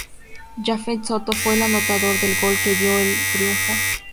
Jafet Soto, fue el anotador del gol que dio el triunfo.